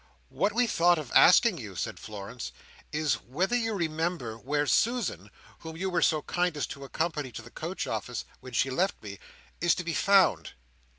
"What we thought of asking you," said Florence, "is, whether you remember where Susan, whom you were so kind as to accompany to the coach office when she left me, is to be found."